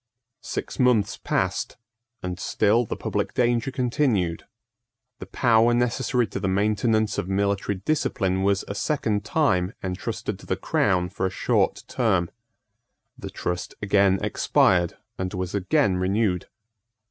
Six months passed; and still the public danger continued. The power necessary to the maintenance of military discipline was a second time entrusted to the crown for a short term. The trust again expired, and was again renewed.